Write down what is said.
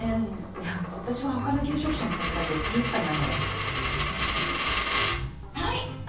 いや私は他の求職者の方たちで手いっぱいなので。